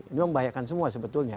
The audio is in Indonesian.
ini membahayakan semua sebetulnya